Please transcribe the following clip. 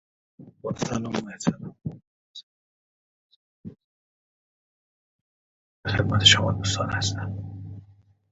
Renbourn continued to record and tour.